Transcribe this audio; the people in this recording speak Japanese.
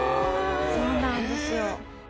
そうなんですよ。